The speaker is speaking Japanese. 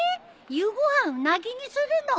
夕ご飯ウナギにするの？